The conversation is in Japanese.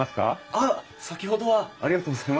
あっ先ほどはありがとうございました。